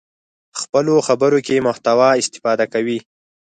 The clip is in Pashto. خپلو خبرو کې محتوا استفاده کوي.